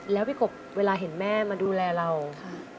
แล้วพี่กบเวลาเห็นแม่มาดูแลเราค่ะ